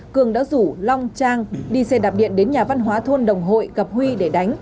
cường đã rủ long trang đi xe đạp điện đến nhà văn hóa thôn đồng hội gặp huy để đánh